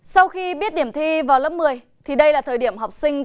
sau khi biết điểm thi vào lớp một mươi đây là thời điểm học sinh